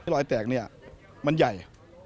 รอยแตกเนี่ยมันใหญ่